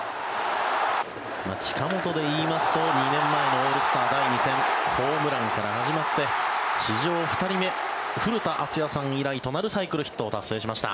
近本でいいますと２年前のオールスター第２戦ホームランから始まって史上２人目古田敦也さん以来となるサイクルヒットを達成しました。